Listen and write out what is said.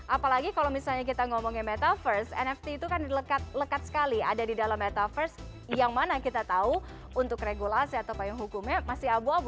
apalagi kalau misalnya kita ngomongin metaverse nft itu kan lekat sekali ada di dalam metaverse yang mana kita tahu untuk regulasi atau payung hukumnya masih abu abu